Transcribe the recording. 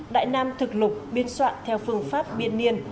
đại nam thực lục biên soạn theo phương pháp biên niên